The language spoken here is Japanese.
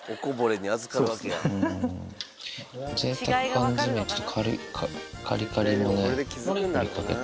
ぜいたく缶詰、ちょっとカリカリをね、かけて。